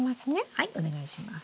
はいお願いします。